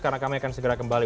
karena kami akan segera kembali